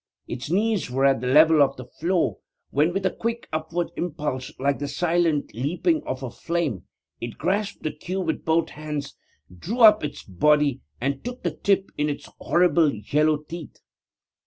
Its knees were at the level of the floor, when with a quick upward impulse like the silent leaping of a flame it grasped the queue with both hands, drew up its body and took the tip in its horrible yellow teeth.